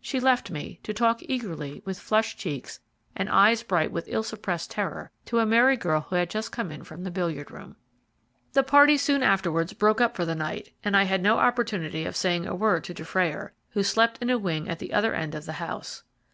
She left me, to talk eagerly, with flushed cheeks, and eyes bright with ill suppressed terror, to a merry girl who had just come in from the billiard room. The party soon afterwards broke up for the night, and I had no opportunity of saying a word to Dufrayer, who slept in a wing at the other end of the house.